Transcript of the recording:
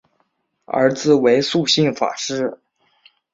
儿子为素性法师。